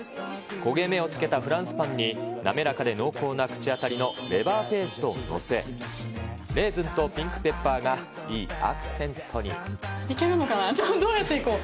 焦げ目をつけたフランスパンに、滑らかで濃厚な口当たりのレバーペーストを載せ、レーズンとピンいけるのかな、どうやっていこう。